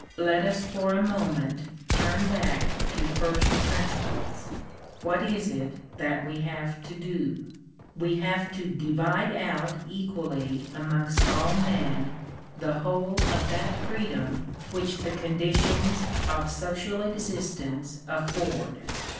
Let us for a moment turn back to first principles. What is it that we have to do ? We have to divide out equally amongst all men, the whole of that freedom which the conditions of social existence afford.